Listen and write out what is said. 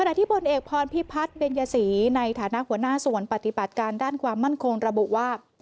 ที่ผลเอกพรพิพัฒน์เบญยศรีในฐานะหัวหน้าส่วนปฏิบัติการด้านความมั่นคงระบุว่า